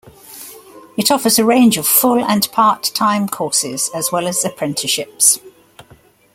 It offers a range of full and part-time courses as well as apprenticeships.